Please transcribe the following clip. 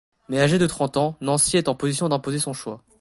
Mais âgée de trente ans, Nancy est en position d'imposer son choix..